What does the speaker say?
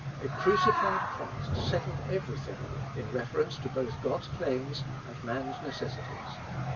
A crucified Christ settled every thing in reference both to God's claims and man's necessities.